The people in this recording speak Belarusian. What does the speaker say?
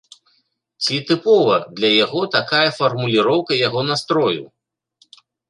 Ці тыпова для яго такая фармуліроўка яго настрою?